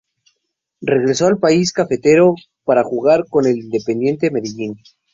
Regreso al país Cafetero para jugar con el Independiente Medellín.